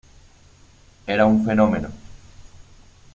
Era un fenómeno.